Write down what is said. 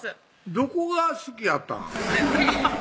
どこが好きやったん？